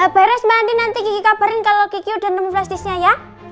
beres mbak andi nanti kiki kabarin kalau kiki udah nemu plastisnya ya